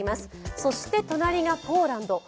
そして隣はポーランド。